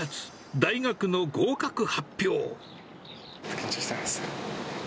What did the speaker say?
緊張してますね。